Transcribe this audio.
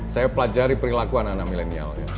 saya pelajari perilaku anak anak milenial